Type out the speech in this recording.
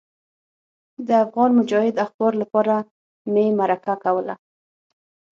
د افغان مجاهد اخبار لپاره مې مرکه کوله.